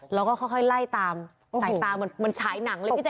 แล้วก็ค่อยไล่ตามสายตาเหมือนฉายหนังเลยพี่แจ